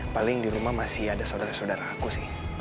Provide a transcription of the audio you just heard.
paling di rumah masih ada saudara saudara aku sih